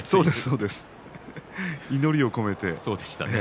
祈りを込めて。